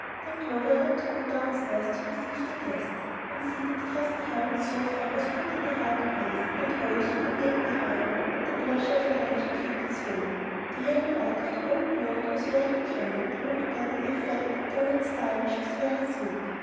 Then Clover had to go downstairs to receive the guests, and see that Cousin Helen's sofa was put in the right place; and Rose, who remained behind, had the pleasure of arranging Katy's veil. The yellow white of the old blonde was very becoming, and altogether, the effect, though not "stylish," was very sweet.